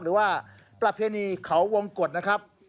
หรือว่าประเพณีเขาวงกฎนะครับ